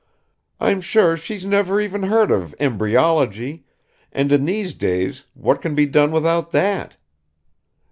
I'm sure she's never even heard of embryology and in these days what can be done without that?